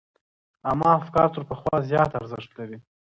عامه افکار تر پخوا زيات ارزښت لري.